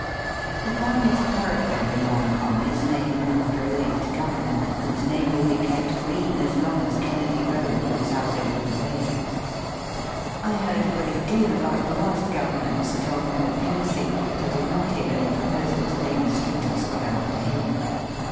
The finest thoroughfare in Hongkong is named after a late governor, whose name will be kept green as long as Kennedy Koad looks out over the bay. I heard a great deal about the last governor, Sir John Pope Hennessey, but I did not hear any proposal to name a street or square after him.